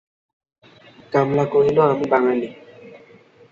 কমলা কহিল, আমি বাঙালি।